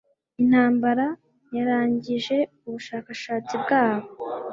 Intambara yarangije ubushakashatsi bwabo.